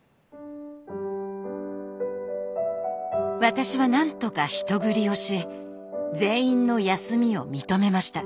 私は何とか人繰りをし全員の休みを認めました。